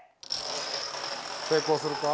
成功するか？